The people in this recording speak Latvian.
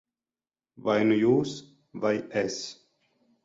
Vai nu jūs, vai es.